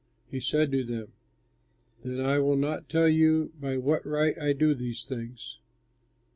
He said to them, "Then I will not tell you by what right I do these things.